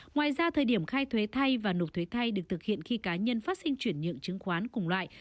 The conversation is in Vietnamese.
ngoài ra thời điểm khai thuế thay và nộp thuế thay được thực hiện khi cá nhân phát sinh chuyển nhượng chứng khoán cùng loại